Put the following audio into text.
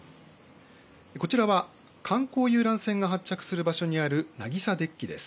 こちらは観光遊覧船が発着する場所にある渚デッキです。